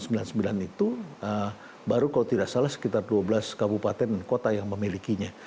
selama sejak tahun seribu sembilan ratus sembilan puluh sembilan itu baru kalau tidak salah sekitar dua belas kabupaten dan kota yang memilikinya